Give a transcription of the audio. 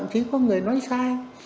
chứ có người nói sai